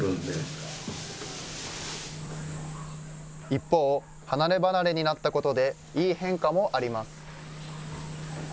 一方、離れ離れになったことでいい変化もあります。